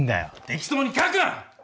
適当に書くな！